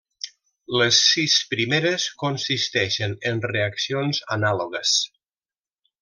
Les sis primeres consisteixen en reaccions anàlogues.